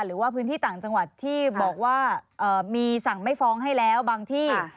หรือว่าพื้นที่ต่างจังหวัดที่บอกว่ามีสั่งไม่ฟ้องให้แล้วบางที่